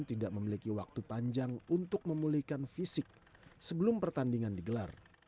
tidak memiliki waktu panjang untuk memulihkan fisik sebelum pertandingan digelar